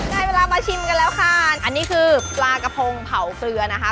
ได้เวลามาชิมกันแล้วค่ะอันนี้คือปลากระพงเผาเกลือนะคะ